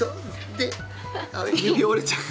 でああ指折れちゃう。